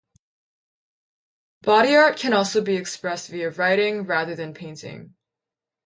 Body art can also be expressed via writing rather than painting.